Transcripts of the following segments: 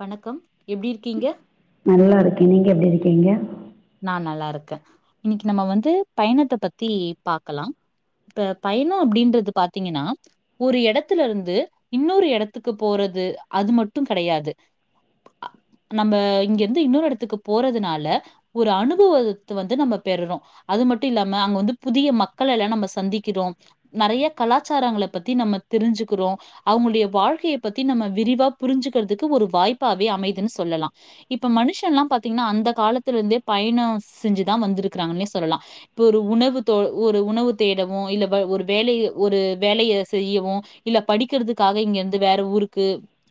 வணக்கம் எப்டி இருக்கீங்க நல்லா இருக்கே நீங்க எப்டி இருக்கீங்க நா நல்லா இருக்கே இன்னைக்கி நம்ம வந்து பயணத்த பத்தி பாக்கலா இப்ப பயண அப்டின்றது பாத்தீங்கன்னா ஒரு எடத்துல இருந்து இன்னொரு எடத்துக்கு போறது அது மட்டு கெடயாது அ நம்ம இங்கிருந்து இன்னொரு எடத்துக்கு போறதுனால ஒரு அனுபவத்த வந்து நம்ப பெருறோ அது மட்டு இல்லாம அங்க வந்து புதிய மக்களயெல்லா நம்ம சந்திக்கிறோ நெறைய கலாச்சாரங்கள பத்தி நம்ம தெரிஞ்சுக்கிறோ அவுங்களுடைய வாழ்க்கைய பத்தி நம்ம விரிவா புரிஞ்சுக்கிறதுக்கு ஒரு வாய்ப்பாவே அமைதுன்னு சொல்லலா இப்ப மனுஷன்ல்லா பாத்தீங்கன்னா அந்த காலத்துல இருந்தே பயண செஞ்சுதா வந்திருக்கிறாங்கன்னே சொல்லலா இப்ப ஒரு உணவு தொ ஒரு உணவு தேடவு இல்ல வ ஒரு வேலைய ஒரு வேலைய செய்யவு இல்ல படிக்கிறதுக்காக இங்கேருந்து வேற ஊருக்கு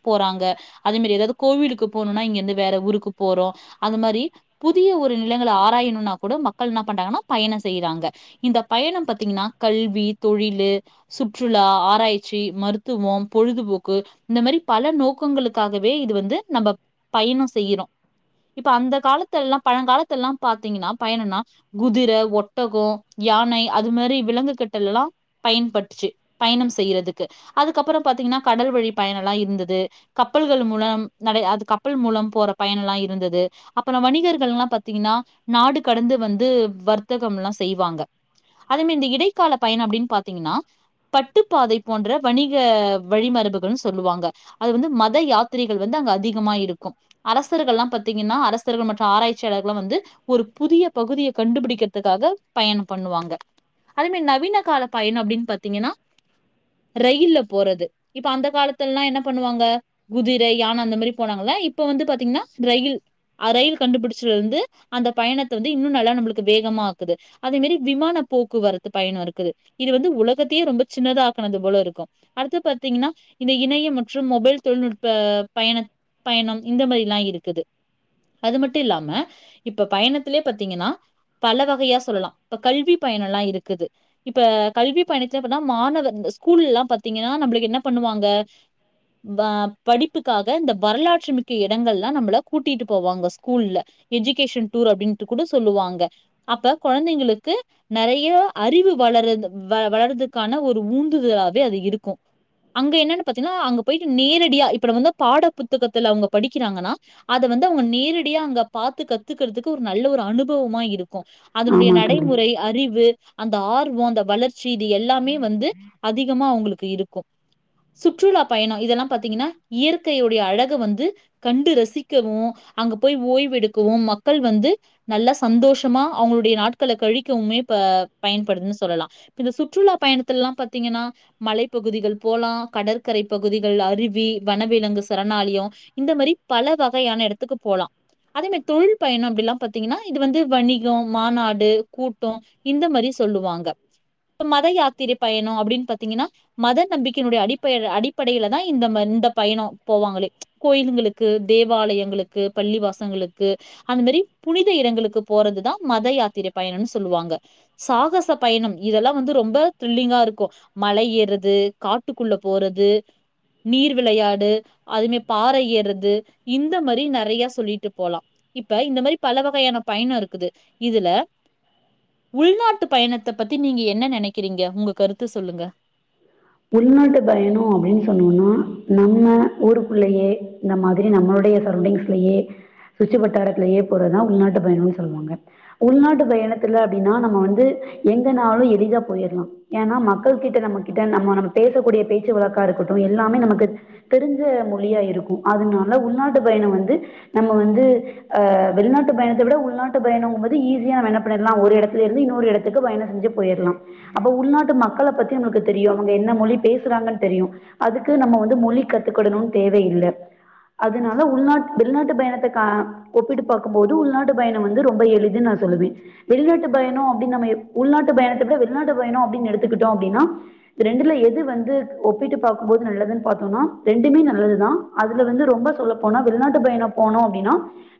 போறாங்கா அதே மாரி ஏதாது கோவிலுக்கு போணுனா இங்கிருந்து வேற ஊருக்கு போறோ அது மாரி [unintelligible] ஒரு நிலங்கள ஆராய்ணுனா கூட மக்கள் என்ன பண்றாங்கன்னா பயண செய்றாங்க இந்த பயண பாத்தீங்கன்னா கல்வி தொழிலு சுற்றுலா ஆராய்ச்சி மருத்துவோ பொழுதுபோக்கு இந்த மாரி பல நோக்கங்களுக்காகவே இது வந்து நம்ப பயணோ செய்யிறோ இப்ப அந்த காலத்தெல்லா பழங்காலத்தெல்லா பாத்தீங்கன்னா பயணன்னா குதிர ஒட்டகோ யானை அது மாரி விலங்கு கட்டல்லா பயன்பட்டுச்சி பயண செய்யிறதுக்கு அதுக்கப்பறோ பாத்தீங்கின்னா கடல் வழி பயணெல்லா இருந்தது கப்பல்கள் மூலம் நறைய அது கப்பல் மூலம் போற பயணெல்லா இருந்தது அ ப்றோ வணிகர்கள் எல்லா பாத்தீங்கின்னா நாடு கடந்து வந்து வர்த்தகம்ல்லா செய்வாங்க அதுமே இந்த இடைக்கால பயண அப்டின்னு பாத்தீங்கின்னா பட்டுப்பாதை போன்ற வணிக வழிமரபுகள்னு சொல்லுவாங்க அது வந்து மத யாத்திரைகள் வந்து அங்கு அதிகமா இருக்கு அரசர்கலா பாத்தீங்கின்னா அர சர்கள் மற்று ஆராய்ச்சியாளர்களா வந்து ஒரு புதிய பகுதிய கண்டுபுடிக்கிறதுக்காக பயண பண்ணுவாங்க அதுமே நவீன கால பயண அப்டின்னு பாத்தீங்கின்னா ரயில்ல போறது இப்ப அந்த காலத்துல எல்லா என்ன பண்ணுவாங்க குதிர யான அந்த மாரி போனாங்களா இப்ப வந்து பாத்தீங்கின்னா ரயில் அ ரயில் கண்டுபுடிச்சிதுல இருந்து அந்த பயணத்த வந்து இன்னு நல்லா நம்மளுக்கு வேகமா ஆக்குது அதே மாரி விமான போக்குவரத்து பயண இருக்குது இது வந்து உலகத்தே ரொம்ப சின்னதாக்குனது போல இருக்கு அடுத்து பாத்தீங்கின்னா இந்த இணைய மற்று மொபைல் தொழில்நுட்ப பயண பயணம் இந்த மாரிலா இருக்குது அது மட்டு இல்லாம இப்ப பயணத்திலே பாத்தீங்கின்னா பல வகையா சொல்லலா இப்ப கல்வி பயண எல்லா இருக்குது இப்ப கல்வி பயணத்துலப்பனா மாணவர் ஸ்கூல்ல எல்லா பாத்தீங்கின்னா நம்மளுக்கு என்ன பண்ணுவாங்க பா படிப்புக்காக இந்த வரலாற்று மிக்க இடங்கெல்லா நம்மள கூட்டிட்டு போவாங்க ஸ்கூல்ல எஜுகேஷன் டூர் அப்பிடின்ட்டு கூட சொல்லுவாங்க அப்ப குழந்தைங்களுக்கு நறைய அறிவு வளர வ வளர்துக்கான ஒரு ஊந்துதலாவே அது இருக்கு அங்க என்னன்னு பாத்தீங்கின்னா அங்க போயிட்டு நேரடியா இப்ப வந்து பாட புத்தகத்துல அவுங்க படிக்குறாங்கன்னா அத வந்து அவுங்க நேரடியா அங்க பாத்து கத்துக்குறதுக்கு ஒரு நல்ல ஒரு அனுபவமா இருக்கு அதனுடைய ஆமா தோழி. நடைமுறை அறிவு அந்த ஆர்வோ அந்த வளர்ச்சி இது எல்லாமே வந்து அதிகமா அவுங்குளுக்கு இருக்கு சுற்றுலா பயணோ இதெல்லா பாத்தீங்கின்னா இயற்கையுடைய அழக வந்து கண்டு ரசி க்கவு அங்க போய் ஓய்வு எடுக்கவு மக்கள் வந்து நல்ல சந்தோஷமா அவுங்களுடைய நாட்கள கழிக்கவுமே ப பயன்படுதுன்னு சொல்லலா அப்ப இந்த சுற்றுலா பயணத்துல எல்லா பாத்தீங்கின்னா மலைப்பகுதிகள் போலா கடற்கரை பகுதிகள் அருவி வனவிலங்கு சரணாலயோ இந்த மாரி பல வகையான இடத்துக்கு போலா அதே மாரி தொழில் பயணோ அப்பிடிலா பாத்தீங்கின்னா இது வந்து வணிகோ மாநாடு கூட்டோ இந்த மாரி சொல்லுவாங்க மத யாத்திர பயண அப்பிடின்னு பாத்தீங்கின்னா மத நம்பிக்கையினுடைய அடிப்ப அடிப்படையில தா இந்த இந்த பயண போவாங்களே கோயிலுங்களுக்கு தேவாலயங்களுக்கு பள்ளிவாசங்களுக்கு அந்த மாரி புனித இடங்களுக்கு போறதுதா மத யாத்திர பயணம்ன்னனு சொல்லுவாங்க சாகச பயணம் இதெல்லா வந்து ரொம்ப த்ரில்லிங்கா இருக்கு மழை ஏறது காட்டுக்குள்ள போறது நீர் விளையாடு அதுமே பாறை ஏறது இந்த மாரி நறைய சொல்லிட்டு போலா இப்ப இந்த மாரி பல வகையான பயண இருக்குது இதுல உள்நாட்டு பயணத்த பத்தி நீங்க என்ன நனைக்கிறீங்க உங்க கருத்து சொல்லுங்க உள்நாட்டு பயண அப்பிடின்னு சொன்னோனா நம்ம ஊருக்குல்லயே இந்த மாரி நம்மளுடைய சர்வண்ஸ்லயே சுற்று வட்டாரத்துலேயே போறதுதா உள்நாட்டு பயணுன்னு சொல்லுவாங்க உள்நாட்டு பயணத்துல அப்பிடினா நம்ம வந்து எங்கனாலு எளிதா போயற்லா ஏன்னா மக்கள்கிட்ட நம்மகிட்ட நம்ம நம்ம பேசக்கூடிய பேச்சு வழக்கா இருக்கட்டு எல்லாமே நமக்கு தெரிஞ்ச மொழியா இருக்கு அதனால உள்நாட்டு பயணோ வந்து நம்ம வந்து ஆ வெளிநாட்டு பயணத்த விட உள்நாட்டு பயணங்கம்போது ஈஸிய [unintelligible] பண்ணலா ஒரு எடத்துல இருந்து இன்னொரு எடத்துக்கு பயண செஞ்சி போயர்லா அப்ப உள்நாட்டு மக்கள பத்தி உங்களுக்கு தெரியு அவுங்க என்ன மொழி பேசுறாங்கன்னு தெரியு அதுக்கு நம்ம வந்து மொழி கத்துக்கடணுனு தேவயில்ல அதனால உள்நாட்டு வெளிநாட்டு பயணத்த கா ஒப்பிட்டு பாக்கும் போது உள்நாட்டு பயணம் வந்து ரொம்ப எளிது நா சொல்லுவே வெளிநாட்டு பயணம் அப்டினு நம்ம உள்நாட்டு பயணத்துக்கு வெளிநாட்டு பயணம் அப்டின்னு எடுத்துக்கிட்டோ அப்டின்னா ரெண்டுல எது வந்து ஒப்பிட்டு பாக்கும் போது நல்லதுன்னு பாத்தோன்னா ரெண்டுமே நல்லதுதா அதுல வந்து ரொம்ப சொல்ல போனா வெளிநாட்டு பயணம் போனோ அப்டின்னா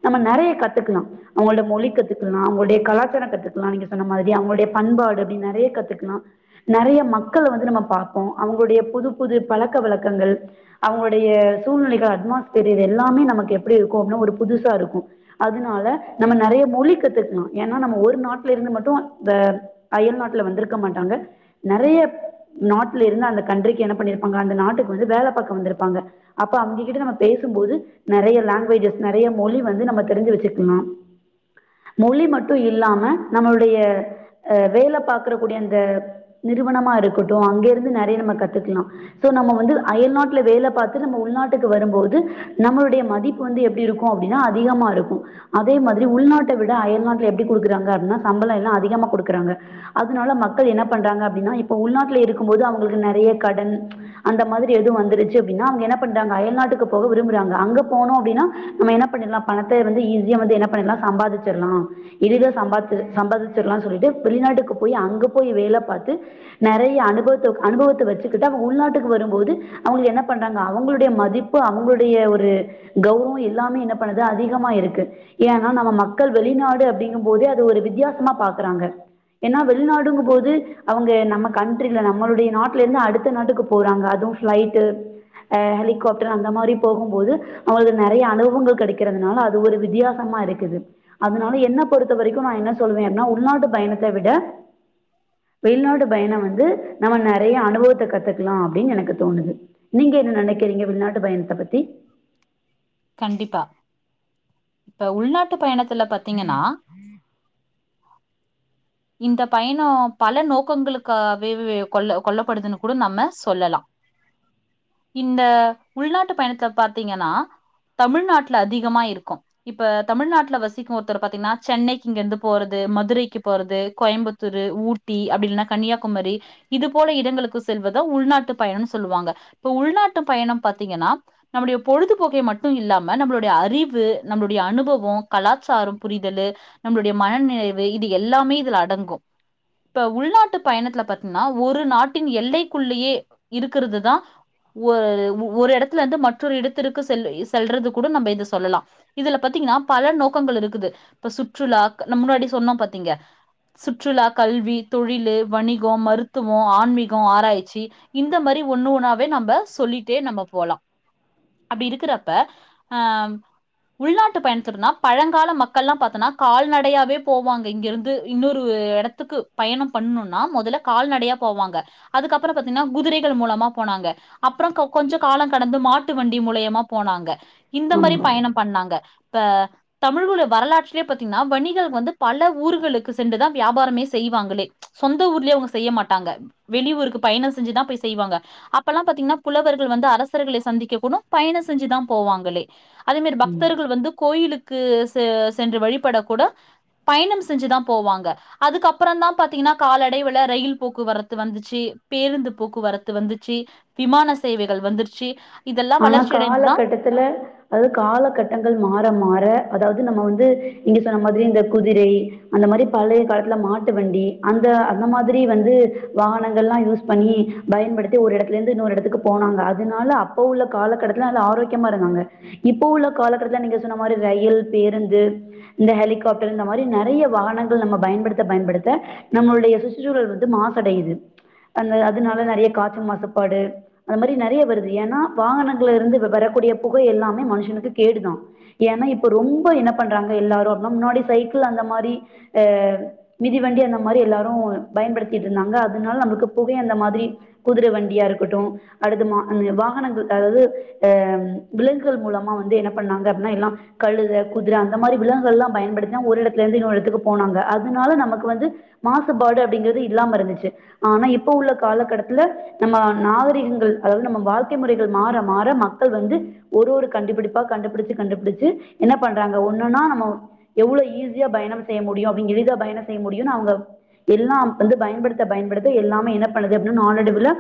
நம்ம நெறய கத்துக்கலா அவுங்கள்ட்ட மொழி கத்துக்கலா அவுங்களுடைய கலாச்சாரொ கத்துக்லா நீங்க சொன்ன மாரி அவுங்களுடைய பண்பாடு அப்டி நறய கத்துக்லா நறய மக்கள வந்து நம்ம பாப்போ அவுங்களுடைய புது புது பழக்க வழக்கங்கள் அவுங்களுடைய சூழ்நிலைகள் அட்மாஸ்பியர் இது எல்லாமே நமக்கு எப்டி இருக்கு அப்டினா ஒரு புதுசாருக்கு அதுனால நம்ம நறய மொழி கத்துக்லா ஏனா நம்ம ஒரு நாட்லருந்து மட்டு வ அயல்நாட்ல வந்திருக்க மாட்டாங்க நறய நாட்லெருந்து அந்த கண்ட்ரிக்கு என்ன பண்ணிருப்பாங்க அந்த நாட்டுக்கு வந்து வேல பாக்க வந்திருப்பாங்க அப்ப அவுங்ககிட்ட நம்ம பேசும் போது நறய லாங்வேஜஸ் நறய மொழி வந்து நம்ம தெரிஞ்சு வச்சுக்னு மொழி மட்டு இல்லாம நம்மளுடைய ஆ வேல பாக்கறக்கூடிய அந்த நிறுவனமாருக்கட்டு அங்கெருந்து நெறய நம்ம கத்துக்லா ஸோ நம்ம வந்து அயல்நாட்ல வேல பாத்து நம்ம உள்நாட்க்கு வரம்போது நம்மளுடைய மதி ப்பு வந்து எப்டி இருக்கு அப்டின்னா அதிகமாருக்கு அதே மாதிரி உள்நாட்ட விட அயல் நாட்ல எப்டி குடுக்குறாங்க அப்பின்னா சம்பளோ எல்லா அதிகமா குடுக்குறாங்க அதனால மக்கள் என்ன பண்றாங்க அப்டின்னா இப்ப உள்நாட்லருக்கும் போது அவுங்களுக்கு நறய கடன் அந்த மாரி எது வந்துருச்சு அப்டின்னா அவுங்க என்ன பண்றாங்க அயல்நாட்டுக்கு போக விரும்புறாங்க அங்க போனோ அப்டினா நம்ம என்ன பண்ணிர்லா பணத்த வந்து ஈஸியா வந்து என்ன பண்ணிர்லா சம்பாதிச்சிர்லா எளிதா சம்பாத்து சம்பாதிச்சிடலா சொல்லிட்டு வெளிநாட்டுக்கு போய் அங்க போய் வேல பாத்து நறய அனுபவத்த அனுபவத்த வச்சுக்கிட்டு அவுங்க உள்நாட்டுக்கு வரும்போது அவுங்க என்ன பண்றாங்க அவுங்களுடைய மதி ப்பு அவுங்களுடைய ஒரு கௌரவோ எல்லாமே என்ன பண்ணுது அதிகமா இருக்கு ஏனா நம்ம மக்கள் வெளிநாடு அப்டிங்கம்போதே அது ஒரு வித்யாசமா பாக்குறாங்க ஏனா வெளிநாடுங்கும் போது அவுங்க நம கண்ட்ரில நம்மளுடைய நாட்லெந்து அடுத்த நாட்டுக்கு போறாங்க அது ஃபிளைட்டு ஆ ஹெலிகாப்டர் அந்த மாரி போகும்போது அவுங்களுக்கு நறய அனுபவங்கள் கெடைக்கிறதுனால அது ஒரு வித்தியாசமாருக்குது அதனால என்ன பொறுத்த வரைக்கு நா என்ன சொல்வே அப்னா உள்நாட்டு பயணத்த விட வெளிநாடு பயணோ வந்து நம்ம நெறய அனுபவத்த கத்துக்லா அப்டின் எனக்கு தோனுது நீங்க என்ன நெனைக்கிறீங்க வெளிநாட்டு பயணத்த பத்தி கண்டிப்பா இப்ப உள்நாட்டு பயணத்துல பாத்தீங்கன்னா இந்த பய்ணோ பல நோக்கங்களுக்காவே கொள்ள கொள்ளப்படுதுன்னு கூட நம்ம சொல்லலா இந்த உள்நாட்டு பயணத்துல பாத்தீங்கன்னா தமிழ்நாட்ல அதிகமா இருக்கு இப்ப தமிழ்நாட்ல வசிக்கு ஒருத்தர பாத்தீன்னா சென்னைக்கு இங்கெருந்து போறது மதுரைக்கு போறது கோயம்புத்தூரு ஊ ட்டி அப்டி இல்லனா கன்னியாகுமரி இது போல இடங்களுக்கு செல்வதா உள்நாட்டு பயணோன் சொல்வாங்க இப்ப உள்நாட்டு பயணம் பாத்தீங்கன்னா நம்மளுடைய பொழுதுபோக்கை மட்டு‌ இல்லாம நம்மளுடைய அறிவு நம்ளுடைய அனுபவோ கலாச்சார புரிதலு நம்மளுடைய மன நிறைவு இது எல்லாமே இதுல அடங்கு இப்ப உள்நாட்டு பயணத்துல பாத்தீன்னா ஒரு நாட்டின் எல்லைக்குள்ளயே இருக்குறது தா ஒரு ஒரு இடத்துலந்து மற்றொரு இடத்திற்கு செல் செல்றது கூட நம்ப இத சொல்லலா இதுல பாத்தீங்ன்னா பல நோக்கங்கள் இருக்குது இப்ப சுற்றுலா நம்ம முன்னாடி சொன்னோ பாத்தீங்க சுற்றுலா கல்வி தொழிலு வணிகோ மருத்துவோ ஆன்மீகொ ஆராய்ச்சி இந்த மாரி ஒண்ணு ஒண்ணாவே நம்ப சொல்லிட்டே நம்ப போலா அப்டி இருக்குறப்ப ஆ உள்நாட்டு பயணத்துல பாத்தீனா பழங்கால மக்கள்லா பாத்தோனா கால்நடையாவே போவாங்க இங்கிருந்து இன்னொரு எட எடத்துக்கு பயணம் பண்ணுனா மொதல்ல கால்நடையா போவாங்க அதுக்கப்புற பாத்தீங்கினா குதிரைகள் மூலமா போனாங்க அப்புற கொஞ்ச கால கடந்து மாட்டு வண்டி மூலியமா போனாங்க இந்த மாரி ஆமா பயணம் பண்ணாங்க இப்ப தமிழ்ஊல வரலாற்றிலே பாத்தீங்கினா வணிகள் வந்து பல ஊர்களுக்கு சென்றுதா வியாபாரமே செய்வாங்களே சொந்த ஊர்லே அவுங்க செய்ய மாட்டாங்க வெளி ஊருக்கு பயண செஞ்சுதா போய் செய்வாங்க அப்பல்லா பாத்தீங்கினா புலவர்கள் வந்து அரசர்கள சந்திக்க கூட பயண செஞ்சுதா போவாங்களே அது மாரி பக்தர்கள் வந்து கோயிலுக்கு சென்று வழிபட கூட பயணம் செஞ்சுதா போவாங்க அதுக்கப்புற தா பாத்தீங்கினா காலடைவுல ரயில் போக்குவரத்து வந்துச்சி பேருந்து போக்குவரத்து வந்துச்சி விமான சேவைகள் வந்துருச்சி ஆனா காலகட்டத்துல அதாது காலகட்டங்கள் மாற மாற அதாது நம்ம வந்து இங்க சொன்ன மாதிரி இந்த குதிரை அந்த மாரி பழைய காலத்துல மாட்டு வண்டி அந்த அந்த மாதிரி வந்து வாகனங்கள் லா யூஸ் பண்ணி பயன்படுத்தி ஒரு எடத்துல இருந்து இன்னொரு எடத்துக்கு போனாங்க அதனால அப்ப உள்ள காலக்கட்டத்துல அது ஆரோக்கியமா இருந்தாங்க இப்போ உள்ள காலக்கட்டத்துல நீங்க சொன்ன மாரி ரயில் பேருந்து இந்த ஹெலிகாப்டர் இந்த மாரி நறைய வாகனங்கள் நம்ப பயன்படுத்த பயன்படுத்த நம்மளுடைய சுற்றுச்சூழல் வந்து மாசடையுது அந்த அதனால நறைய காற்று மாசுபாடு அந்த மாரி நறைய வருது ஏனா வாகனங்களல இருந்து வரக்கூடிய புகை எல்லாமே மனுஷனுக்கு கேடுதா ஏனா இப்ப ரொம்ப என்ன பண்றாங்க எல்லாரு அப்டினா முன்னாடி சைக்கிள் அந்த மாரி அ மிதிவண்டி அந்த மாரி எல்லாரு பயன்படுத்திட்டு இருந்தாங்க அதனால நமக்கு புகை அந்த மாதிரி குதுர வண்டியா இருக்கட்டு அடுத்த மா அந்த வாகனங்கள் அதாவது ஆ விலங்குகள் மூலமா வந்து என்ன பண்ணாங்க அப்டினா எல்லா கழுத குதுர அந்த மாரி விலகுகள்லா பயன்படுத்தினா ஒரு எடத்துல இருந்து இன்னொரு எடத்துக்கு போனாங்க அதனால நமக்கு வந்து மாசுபாடு அப்பிடிங்குறது இல்லாம இருந்துச்சி ஆனா இப்ப உள்ள காலகட்டத்துல நம்ம நாகரிகங்கள் அதாது நம்ம வாழ்க்கை முறை மாற மாற மக்கள் வந்து ஒரு ஒரு கண்டுபிடிப்பா கண்டுபிடிச்சி கண்டுபிடிச்சி என்ன பண்றாங்க ஒண்ணுன்னா நம்ம எவ்ளோ ஈஸியா பயணம் செய்ய முடியு அப்பிடிங்க இதுகா பயண செய்ய முடியுனு அவுங்க எல்லா வந்து பயன்படுத்த பயன்படுத்த எல்லாமே என்ன பண்ணுது அப்பிடினு நாளைடுவுல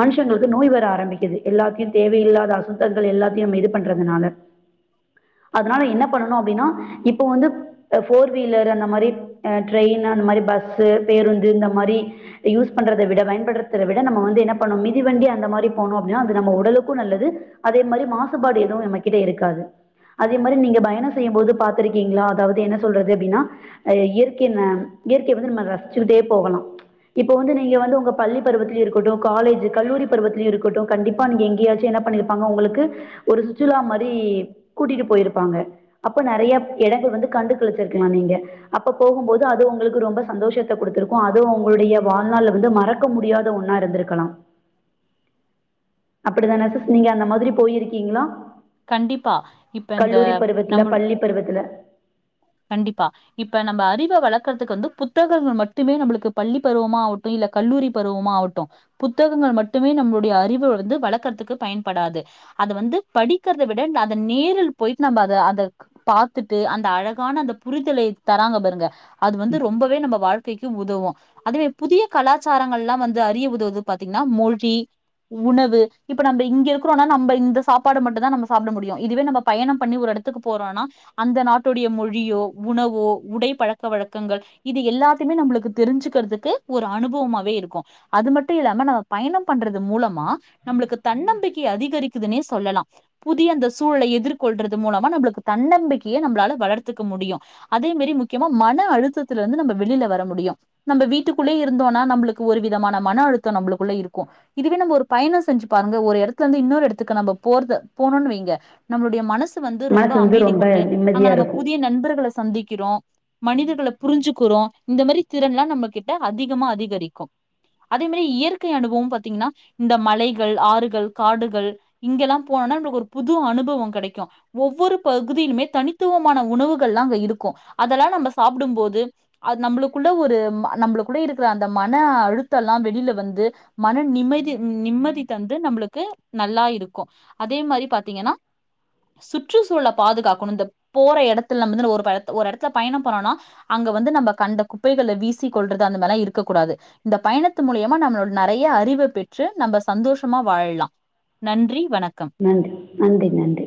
மனுஷங்களுக்கு நோய் வர ஆரம்பிக்குது எல்லாத்தியு தேவையில்லாத அசுத்தங்கள் எல்லாத்தையு இது பண்றதுனால அதனால என்ன பண்ணனு அப்டினா இப்ப வந்து ஃபோர் வீலர் அந்த மாரி ட்ரெயின் அந்த மாரி பஸ்சு பேருந்து இந்த மாரி யூஸ் பண்றத விட பயன்படுத்துற விட நம்ம வந்து என்ன பண்ணு மிதிவண்டி அந்த மாரி போனு அப்டினா நம் உடலுக்கு கு நல்லது அதே மாரி மாசுபாடு எதுவு நம்மகிட்ட இருக்காது அதே மாரி நீங்க பயண செய்யும்போது பாத்திருக்கீங்களா அதாது என்ன சொல்றது அப்டின்னா அ இயற்கைய நாம் இயற்கைய வந்து நம்ம ரசிச்சுகிட்டே போகலா இப்போ வந்து நீங்க வந்து உங்க பள்ளி பருவத்திலியு இருக்கட்டு காலேஜ் கல்லூரி பருவத்திலியு இருக்கட்டு கண்டிப்பா நீங்க எங்கேயாச் சு என்ன பண்ணிருப்பாங்க உங்களுக்கு ஒரு சுற்றுலா மாரி கூட்டிட்டு போயிருப்பாங்க அப்ப நறைய இடங்கள் வந்து கண்டு களிச்சிருக்கலா நீங்க அப்ப போகும்போது அது உங்களுக்கு ரொம்ப சந்தோஷத்த குடுத்திருக்கு அது உங்களுடைய வாழ்நாள் வந்து மறக் க முடியாத ஒண்ணா இருந்திருக்கலா அப்புடித்தான சிஸ் நீங்க அந்த மாதிரி போயிருக்கீங்களா கண்டிப்பா இப்ப இந்த நம்பள் பர்வத்துல கண்டிப்பா இப்ப நம்ப அறிவ வளர்க்கற்துக் வந்து புத்தகங்கள் மட்டுமே நம்புளுக்கு பள்ளி பருவம்மா ஆவுட்டு இல்ல கல்லூரி பருவமா ஆவுட்டு புத்தகங்கள் மட்டுமே நம்முடைய அறிவு வந்து வளக்கற்த்துக்கு பயன்படாது க அத வந்து படிக்கற்த விட அத நேரில் பொயிட் நம்ப அத அந்த பாத்துட்டு அந்த அழ கான அந்த புரிதலை தராங்க பாருங்க அது வந்து ரொம்பவே நம்ப வாழ்க் க்கைக்கு உதவு அதுவே புதிய கலாச்சாரங்கல்லா வந்து அறிய உதவுது பாத்தீங்ன்னா மொழி உணவு இப்ப நம்ப இங்கெ இருக்குறோனா நம்ப இந்த சாப்பாட மட்டுதா நம்ம சாப்ட முடியு இதுவே நம்ப பயணம் பண்ணி ஒரு எடத் த்துக் போறோனா அந்த நாட்டுடைய மொழியோ உணவோ உடை பழக்க வழக்கங்கள் இது எல்லாத்தியுமே நம்புளுக்கு தெரிஞ்சுக்கற்த்துக்கு ஒரு அனுபுவமாவே இருக்கூ அது மட்டு இல்லாம ந பயணம் பண்றது மூலமா நம்புளுக்கு தன்னம்பிக்கை அதிகரிக்குதுனே சொல்லலா புதிய அந்த சூழலை எதிர்கொள்றது மூலமா நம்புளுக்கு தன்னம்பிக்கைய நம்ப்ளால வளர்த் துக்க முடியு அதே மெரி முக்கியமா மன அழுத்தத்துலந்து நம்ப வெளில வர முடியு நம்ப வீட்டுக்குள்ளே இருந்தோன்னா நம்புளுக் ஒரு விதமான மன அழுத்த நம்புளுக்குள்ள இருக்கூ இதுவே நம்ம ஒரு பயணொ செஞ்சு பாருங்க ஒரு எடத்லந்து இன்னொரு எடத்துக் நம்ப போறது போணுன் வைங்க நம்ளுடைய மனசு வந்து ரொம்ப மனசு வந்து அமைதி ரொம்ப கொண்டு அங்க நிம்மதியா நம்ம இருக்கும். புதிய நண்பர்கள சந்திக்கிறோ மனிதர்கள புரிஞ்சுக்குறோ இந்த மரி திறன்லா நம்ம கிட்ட அதிகமா அதிகரிக்கு அதே மெரி இயற்கை அனுபவொம் பத்தீங்ன்னா இந்த மலைகள் ஆறுகள் காடுகள் இங்கலா போனனான் ருக் ஒரு புது அனுபவொ கெடக்கு ஒவ்வொரு பகுதியிலுமே தனித்துவம் மான உணவுகள்லா அங்க இருக்கூ அதெலா நம்ப சாப்டும்போது அது நம்புளுக்குள்ள ஒரு ம நம்புளுக்குள்ள இருக்குற அந்த மனஅழுத்தல்லா வெளில வந்து மன நிமதி நிம்மதி தந்து நம்புளுக்கு நல்லா இருக்கு அதே மரி பாத்தீங்கனா சுற்றுச்சூழல பாதுகாக்கணு ந்தப் போற எடத்துல நம்மந்து ஒருபடத் ஒரு எடத்துல பயணம் பனோனா அங்க வந்து நம்ம கண்ட குப்பைகளை வீசிக்கொள்றது அந்த மர்லா இருக்கக் கூடாது இந்த பயணத்து மூலியமா நம்மளோட நெறைய அறிவ பெற்று நம்ப சந்தோஷமா வாழ்லா நன்றி வணக்கம் நன்றி நன்றி நன்றி